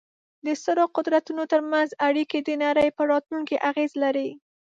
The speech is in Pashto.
د سترو قدرتونو ترمنځ اړیکې د نړۍ پر راتلونکې اغېز لري.